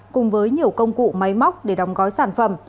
cùng với nhiều công cụ máy móc để đóng gói sản phẩm